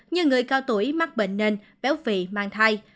như người cao tuổi mắc bệnh nên béo vị mang thai